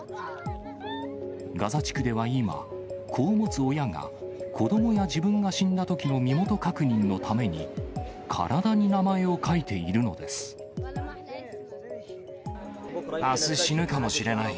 ガザ地区では今、子を持つ親が、子どもや自分が死んだときの身元確認のために、体に名前を書いてあす死ぬかもしれない。